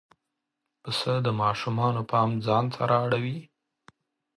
پسه د ماشومانو پام ځان ته را اړوي.